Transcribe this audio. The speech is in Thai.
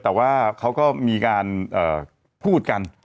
แต่ว่าเขาก็มีการพูดกัน